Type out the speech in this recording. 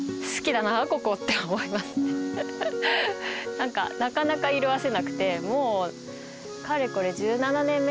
なんかなかなか色あせなくてもう。